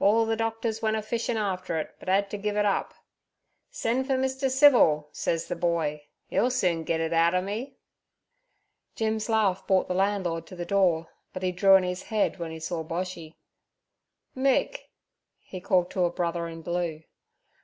Orl ther doctors went a fishin' after it, but 'ad ter giv' it up. "Sen' fur Mr. Civil," says ther boy; "'e'll soon git it outer me."' Jim's laugh brought the landlord to the door, but he drew in his head when he saw Boshy. 'Mick' he called to a brother in blue.